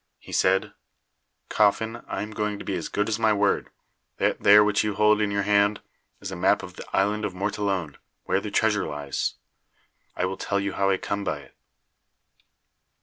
He said: "Coffin, I am going to be as good as my word. That there which you hold in your hand is a map of the Island of Mortallone, where the treasure lies. I will tell you how I come by it.